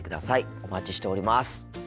お待ちしております。